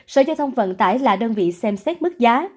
sở giao thông vận tải là đơn vị xem xét mức giá